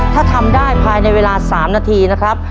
ถ้าทำได้ภายในเวลา๓นาทีนะครับ